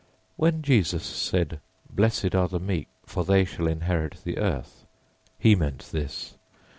When Jesus said, "Blessed are the meek, for they shall inherit the earth," he meant this.